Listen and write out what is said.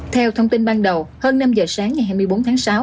theo thông tin ban đầu hơn năm giờ sáng ngày hai mươi bốn tháng sáu